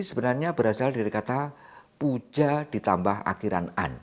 yang ditambah dengan akiran en